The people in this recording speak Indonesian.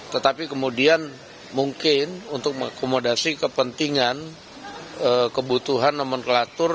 tetapi kemudian mungkin untuk mengakomodasi kepentingan kebutuhan nomenklatur